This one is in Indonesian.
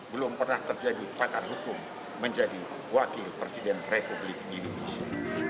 belum pernah terjadi pakar hukum menjadi wakil presiden republik indonesia